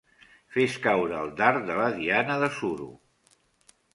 Fes caure el dard de la diana de suro.